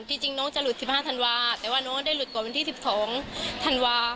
จริงน้องจะหลุด๑๕ธันวาแต่ว่าน้องได้หลุดกว่าวันที่๑๒ธันวา